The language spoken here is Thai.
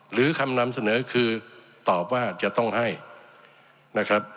หรือคำนำเสนอคือตอบว่าจะต้องให้นะครับ